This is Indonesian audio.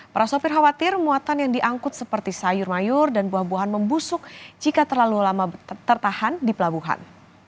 para sopir khawatir muatan yang diangkut seperti sayur mayur dan buah buahan membusuk jika terlalu lama tertahan di pelabuhan